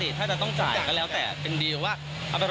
ถ้าไม่จ่ายหน้าอายครับ